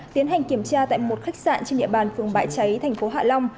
tiến hành kiểm tra tại một khách sạn trên địa bàn phường bãi cháy thành phố hạ long